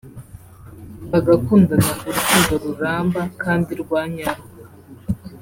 bagakundana urukundo ruramba kandi rwa nyarwo